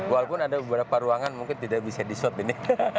walaupun ada beberapa ruangan mungkin tidak bisa di swab ini